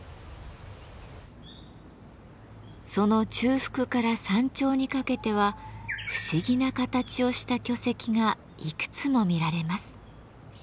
その中腹から山頂にかけては不思議な形をした巨石がいくつも見られます。